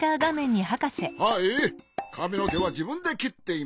はいかみのけはじぶんできっています。